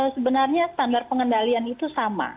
sebenarnya standar pengendalian itu sama